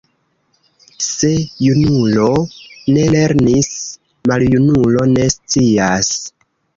Se junulo ne lernis, maljunulo ne scias.